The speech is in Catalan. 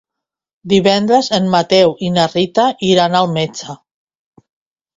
Divendres en Mateu i na Rita iran al metge.